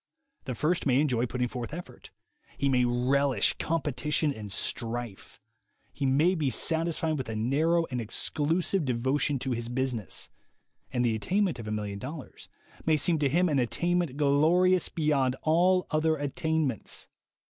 The first may enjoy putting forth effort; he may relish competition and strife; he may be satisfied with a narrow and exclusive devotion to his business; and the attainment of a million dollars may seem to him an attainment glorious beyond all other attainments.